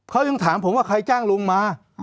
เขายังถามผมว่าใครจ้างลุงมา